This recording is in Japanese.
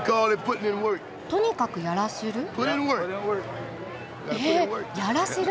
「とにかくやらせる」？